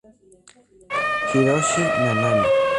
Hiroshi Nanami